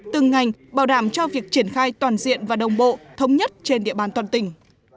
từng ngành bảo đảm cho việc triển khai toàn diện và đồng bộ thống nhất trên địa bàn toàn tỉnh